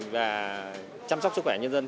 và chăm sóc sức khỏe nhân dân